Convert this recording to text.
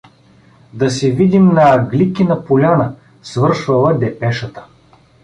„Да се видим на Агликина поляна“, свършвала депешата.